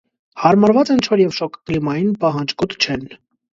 Հարմարված են չոր և շոգ կլիմային, պահանջկոտ չեն։